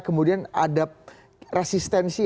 kemudian ada resistensi